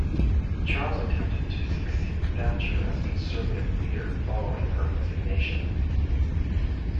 Charles attempted to succeed Thatcher as Conservative Leader following her resignation.